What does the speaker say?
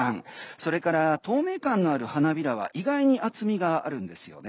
それから、透明感のある花びらは意外に厚みがあるんですよね。